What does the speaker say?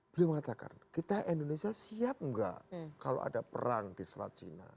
beliau mengatakan kita indonesia siap nggak kalau ada perang di selat cina